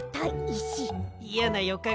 いやなよ